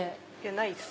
ないです。